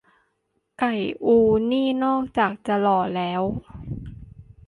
"ไก่อู" นี่ นอกจากจะหล่อแล้ว